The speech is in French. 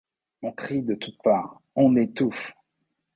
On crie de toutes parts: On étouffe!